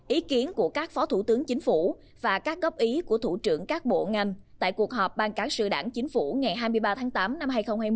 ý kiến của các phó thủ tướng chính phủ và các góp ý của thủ trưởng các bộ ngành tại cuộc họp ban cán sự đảng chính phủ ngày hai mươi ba tháng tám năm hai nghìn hai mươi